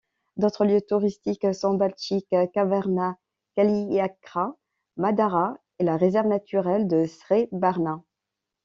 D'autres lieux touristiques sont Baltchik, Kavarna, Kaliakra, Madara et la réserve naturelle de Srébarna.